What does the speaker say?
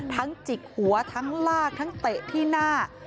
จิกหัวทั้งลากทั้งเตะที่หน้า